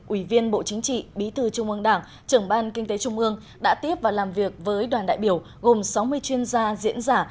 ủy viên bộ chính trị bí thư trung ương đảng trưởng ban kinh tế trung ương đã tiếp và làm việc với đoàn đại biểu gồm sáu mươi chuyên gia diễn giả